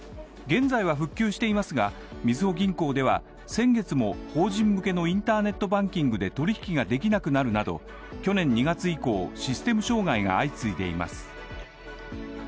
現在は復旧していますが、みずほ銀行では先月も、法人向けのインターネットバンキングで取引ができなくなるなど去年２月以降、システム障害が相次いでいます。